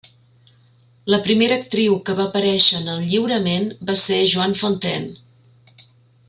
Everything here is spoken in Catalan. La primera actriu que va aparèixer en el lliurament va ser Joan Fontaine.